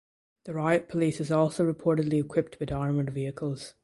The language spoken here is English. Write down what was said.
The riot police is also reportedly equipped with armoured vehicles.